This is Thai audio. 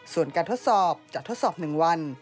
ส่วนการทดสอบจะทดสอบ๑วัน